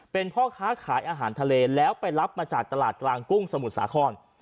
เป็นพ่อค้าขายอาหารทะเลแล้วไปรับมาจากตลาดกลางกุ้งสมุทรสาคร